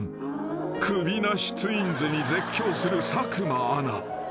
首なしツインズに絶叫する佐久間アナ］